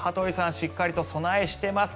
しっかりと備え、していますか？